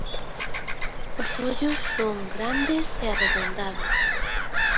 Os ollos son grandes e arredondados.